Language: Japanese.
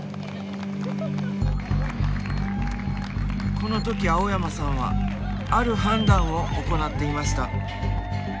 この時青山さんはある判断を行っていました。